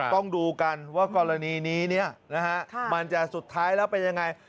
ต้องดูกันว่ากรณีนี้มันจะสุดท้ายแล้วเป็นยังไง